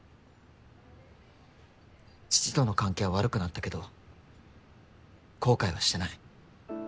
父との関係は悪くなったけど後悔はしてない。